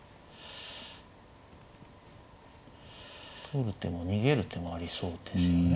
取る手も逃げる手もありそうですよね。